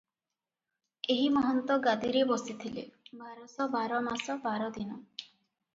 ଏହି ମହନ୍ତ ଗାଦିରେ ବସିଥିଲେ - ବାରଶ ବାର ମାସ ବାର ଦିନ ।